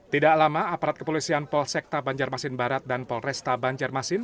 tidak lama aparat kepolisian polsekta banjarmasin barat dan polresta banjarmasin